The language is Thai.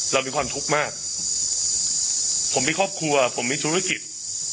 เรามีความทุกข์มากผมมีครอบครัวผมมีธุรกิจ